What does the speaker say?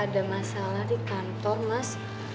ada masalah di kantor mas